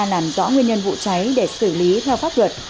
làm rõ nguyên nhân vụ cháy để xử lý theo pháp luật